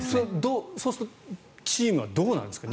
そうすると、チームはどうなんですか？